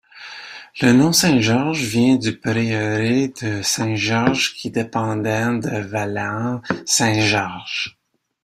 Le nom saint-Georges vient du prieuré de st-Georges qui dépendait de Vallant-Saint-Georges.